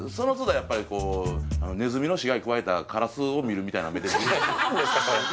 やっぱりこうネズミの死骸くわえたカラスを見るみたいな目で見るんですよ